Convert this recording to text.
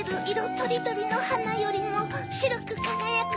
とりどりのはなよりもしろくかがやく